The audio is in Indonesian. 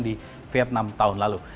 di vietnam tahun lalu